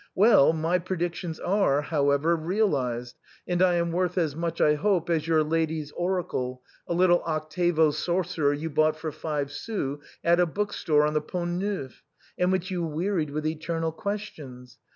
Well, my predictions are, however, realized, and I am worth as much, I hope, as your * Ladies' Oracle,' a little octavo sorcerer 3^ou bought for five sous at a bookstall on the Pont Neuf, and which you wearied with eternal questions.